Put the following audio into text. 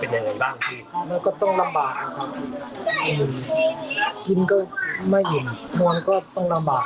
อะไรอย่างเงี้ยครับพี่ขอบคุณมากมากขอบคุณมากมากเลยครับขอบคุณมากมาก